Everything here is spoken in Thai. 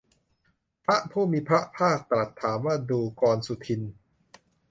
พระผู้มีพระภาคตรัสถามว่า ดูกรสุทินน์